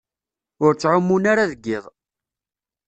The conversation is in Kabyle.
Ur ttɛumun ara deg iḍ.